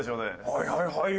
はいはいはい！